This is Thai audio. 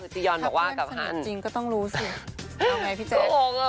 สนิทจริงก็ต้องรู้สิเอาไงพี่เจ๊